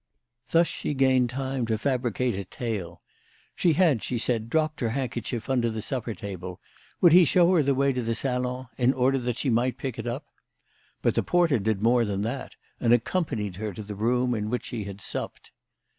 Thus she gained time to fabricate a tale. She had, she said, dropped her hand kerchief under the supper table ; would he show her the way to the salon, in order that she might pick it up ? But the porter did more than that, and accom panied her to the room in which she had supped.